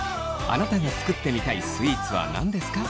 あなたが作ってみたいスイーツは何ですか？